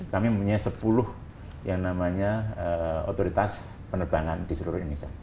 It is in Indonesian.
kami mempunyai sepuluh yang namanya otoritas penerbangan di seluruh indonesia